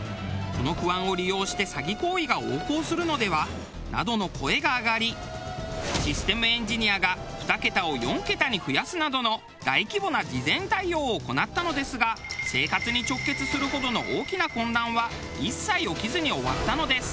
「この不安を利用して詐欺行為が横行するのでは？」などの声が上がりシステムエンジニアが２桁を４桁に増やすなどの大規模な事前対応を行ったのですが生活に直結するほどの大きな混乱は一切起きずに終わったのです。